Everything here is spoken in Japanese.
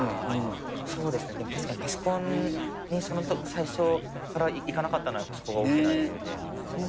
でも確かにパソコンに最初からいかなかったのはそこが大きな理由で。